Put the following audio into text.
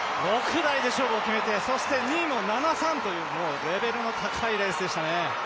６台で勝負を決めて、２位も７３と、レベルの高いレースでしたね。